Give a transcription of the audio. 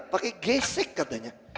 pakai gesek katanya